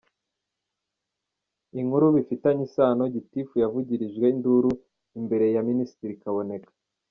Inkuru bifitanye isano:Gitifu yavugirijwe induru imbere ya Minisitiri Kaboneka.